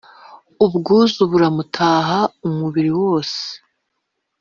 ubwuzu buramutaha umubiri wose